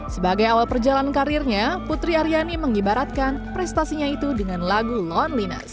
sebagai awal perjalanan karirnya putri aryani mengibaratkan prestasinya itu dengan lagu loanliness